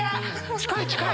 近い近い！